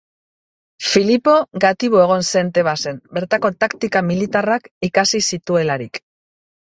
Filipo gatibu egon zen Tebasen, bertako taktika militarrak ikasi zituelarik.